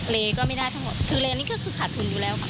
เลก็ไม่ได้ทั้งหมดคือเลนนี้ก็คือขาดทุนอยู่แล้วค่ะ